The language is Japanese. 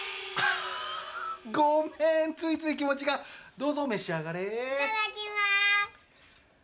ごめん、ついつい気持ちが、どうぞ召し上がれ。